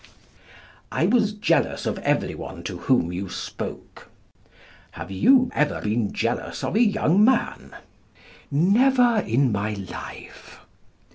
"I was jealous of every one to whom you spoke." Have you ever been jealous of a young man? Never in my life.